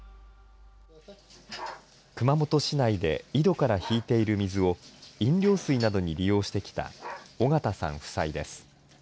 熊本市内で井戸から引いている水を飲料水などに利用してきた緒方さん夫妻です。